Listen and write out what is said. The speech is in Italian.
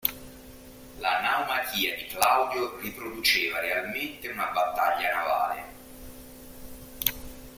La naumachia di Claudio riproduceva realmente una battaglia navale.